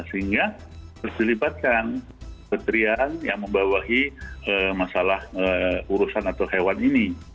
sehingga harus dilibatkan keterian yang membawahi masalah urusan atau hewan ini